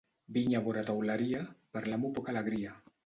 Vinya vora teuleria, per l'amo poca alegria.